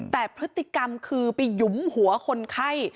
แต่พฤติกรรมคือไปหยุมหัวคนไข้